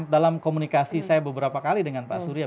dalam komunikasi saya beberapa kali dengan pak surya